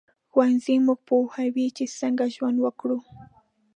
ښوونځی موږ پوهوي چې څنګه ژوند وکړو